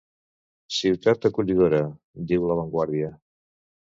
Ciutat acollidora', diu 'La Vanguardia'